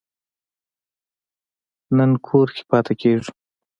نن کور کې پاتې کیږو